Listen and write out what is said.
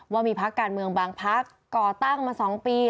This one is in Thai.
ว่ามีพักการเมืองบางพักก่อตั้งมา๒ปี